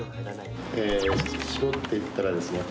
搾っていったらですね